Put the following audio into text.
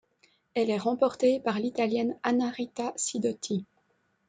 Elle est remportée par l'Italienne Annarita Sidoti.